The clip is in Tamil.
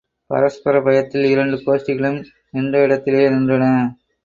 பரஸ்பரப் பயத்தில், இரண்டு கோஷ்டிகளும், நின்ற இடத்திலேயே நின்றன.